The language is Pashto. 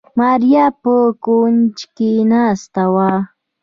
ماريا په کونج کې ناسته وه.